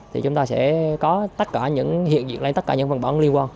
thì chúng ta sẽ có tất cả những hiện diện lên tất cả những văn bản liên quan